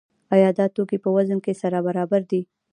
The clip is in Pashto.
آیا دا توکي په وزن کې سره برابر دي؟